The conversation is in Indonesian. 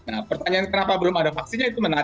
nah pertanyaan kenapa belum ada vaksinnya itu menurut saya